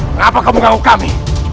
kenapa kau mengganggu kami